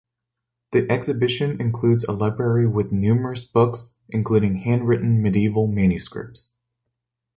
The exhibition includes a library with numerous books, including handwritten medieval manuscripts.